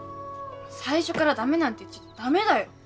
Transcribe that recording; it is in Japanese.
最初から駄目なんて言ってちゃ駄目だよ！